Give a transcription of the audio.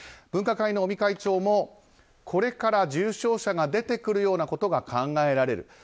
分科会の尾身会長もこれから重症者が出てくることが考えられる。